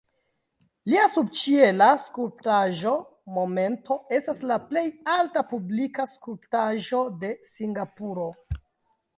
Lia subĉiela skulptaĵo "Momento" estas la plej alta publika skulptaĵo de Singapuro.